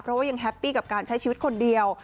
เพราะว่ายังแฮปปี้กับการใช้ชีวิตคนเดียว